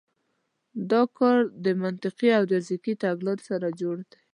دا کار له منطقي او ریاضیکي تګلارو سره جوړ دی.